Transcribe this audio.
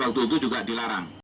waktu itu juga dilarang